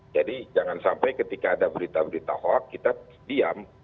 jadi jangan sampai ketika ada berita berita hoak kita diam